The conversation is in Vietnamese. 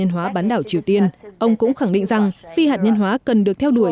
trong cuộc gặp với các bán đảo triều tiên ông cũng khẳng định rằng phi hạt nhân hóa cần được theo đuổi